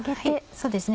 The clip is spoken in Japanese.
そうですね